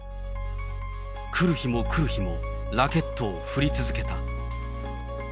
来る日も来る日もラケットを振り続けた。